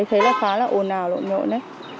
thấy là khá là ồn ào lộn nhộn ấy